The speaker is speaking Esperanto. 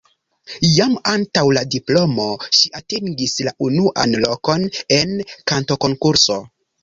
Jam antaŭ la diplomo ŝi atingis la unuan lokon en kantokonkurso.